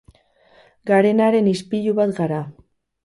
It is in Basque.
Garenaren ispilu bat gara.